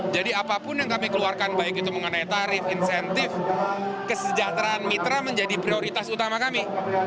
jadi apapun yang kami keluarkan baik itu mengenai tarif insentif kesejahteraan mitra menjadi prioritas utama kami